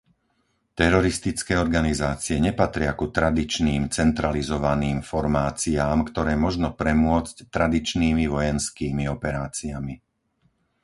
Teroristické organizácie nepatria ku tradičným centralizovaným formáciám, ktoré možno premôcť tradičnými vojenskými operáciami.